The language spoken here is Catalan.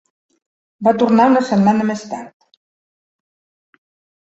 Va tornar una setmana més tard.